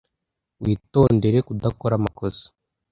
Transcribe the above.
Witondere kudakora amakosa.